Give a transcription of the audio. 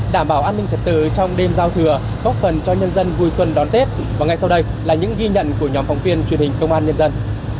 đảm bảo an ninh trật tự trong đêm giao thừa góp phần cho nhân dân vui xuân đón tết và ngay sau đây là những ghi nhận của nhóm phóng viên truyền hình công an nhân dân